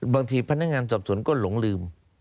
บางทีพนักงานสอบสวนก็หลงลืม